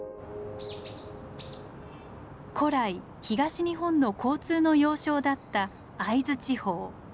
古来東日本の交通の要衝だった会津地方。